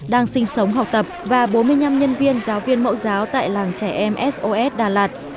đang sinh sống học tập và bốn mươi năm nhân viên giáo viên mẫu giáo tại làng trẻ em sos đà lạt